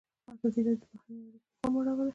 ازادي راډیو د بهرنۍ اړیکې ته پام اړولی.